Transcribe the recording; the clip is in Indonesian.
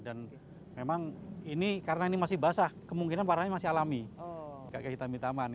dan memang ini karena ini masih basah kemungkinan warnanya masih alami gak hitam hitaman